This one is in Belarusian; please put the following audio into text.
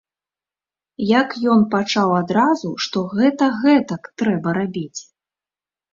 Як ён пачаў адразу, што гэта гэтак трэба рабіць!